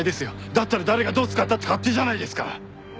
だったら誰がどう使ったって勝手じゃないですか！